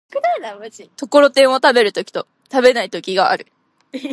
ところてんを食べる時と食べない時がある。